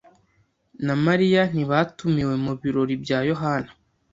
na Mariya ntibatumiwe mu birori bya Yohana.